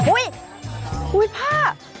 อุ๊ยอุ๊ยผ้า